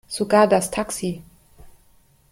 Sogar das Taxi.